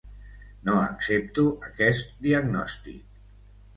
No accepto aquest diagnòstic.